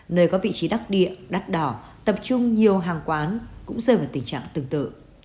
nơi có vị trí đắc địa đắt đỏ tập trung nhiều hàng quán cũng rơi vào tình trạng tương tự